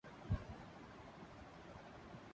کاملہ شمسی اروندھتی رائے کے novel women prize کیلئے short list